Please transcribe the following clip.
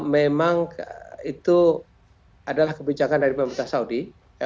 memang itu adalah kebijakan dari pemerintah saudi